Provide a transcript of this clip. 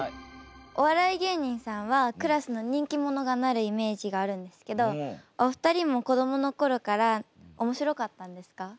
お笑い芸人さんはクラスの人気者がなるイメージがあるんですけどお二人も子どもの頃から面白かったんですか？